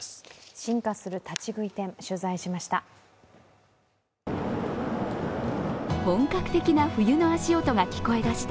進化する立ち食い店取材しました。